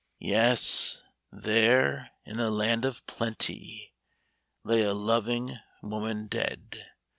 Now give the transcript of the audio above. " Yes, there, in a land of plenty. Lay a loving woman dead.